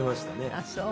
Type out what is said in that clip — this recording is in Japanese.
あっそう。